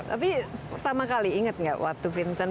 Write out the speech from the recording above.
tapi pertama kali ingat nggak waktu vincent